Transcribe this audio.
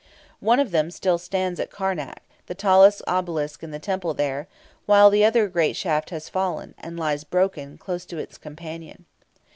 One of them still stands at Karnak, the tallest obelisk in the temple there; while the other great shaft has fallen, and lies broken, close to its companion.